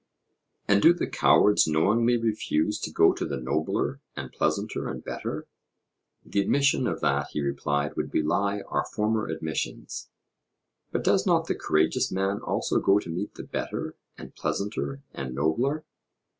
And do the cowards knowingly refuse to go to the nobler, and pleasanter, and better? The admission of that, he replied, would belie our former admissions. But does not the courageous man also go to meet the better, and pleasanter, and nobler?